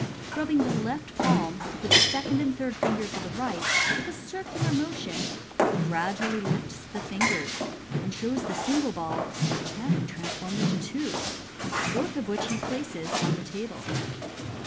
Rubbing the left palm with the second and third fingers of the right, with a circular motion, he gradually lifts the fingers, and shows the single ball apparently transformed into two, both of which he places on the table.